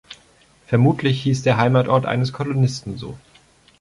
Vermutlich hieß der Heimatort eines Kolonisten so.